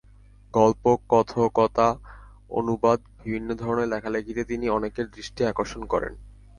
গল্প, কথকতা, অনুবাদ বিভিন্ন ধরনের লেখালেখিতে তিনি অনেকের দৃষ্টি আকর্ষণ করেন।